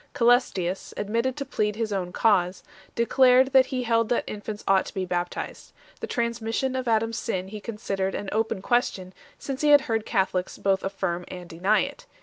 Ca3les tius, admitted to plead his own cause, declared that he held that infants ought to be baptized. The transmission of Adam s sin he considered an open question, since he had heard Catholics both affirm and deny it.